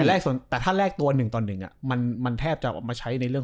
แต่ถ้าแลกตัว๑ต่อ๑มันแทบจะออกมาใช้ในเรื่อง